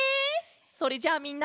それじゃあみんな。